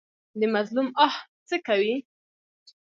د مظلوم آه څه کوي؟